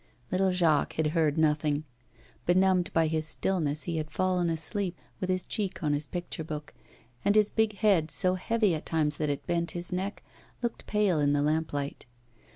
Little Jacques had heard nothing. Benumbed by his stillness, he had fallen asleep, with his cheek on his picture book; and his big head, so heavy at times that it bent his neck, looked pale in the lamplight.